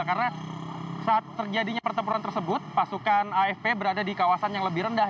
karena saat terjadinya pertempuran tersebut pasukan afp berada di kawasan yang lebih rendah